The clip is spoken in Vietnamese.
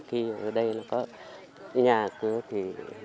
khi ở đây nó có nhà cửa thì